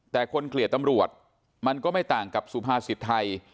แต่คนเกลียดตำรวจมันก็ไม่ต่างกับสุภาษิตไทย